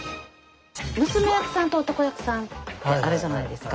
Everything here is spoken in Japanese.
娘役さんと男役さんってあるじゃないですか。